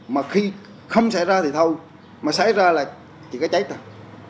mà khi không xảy ra thì thôi mà xảy ra là chỉ có chết thôi